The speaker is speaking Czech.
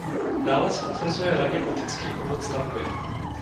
Nález potvrzuje raně gotický původ stavby.